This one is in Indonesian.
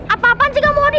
apa apaan sih kamu hadir